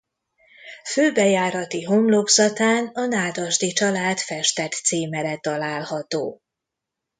Főbejárati homlokzatán a Nádasdy család festett címere található.